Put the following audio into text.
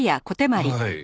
はい。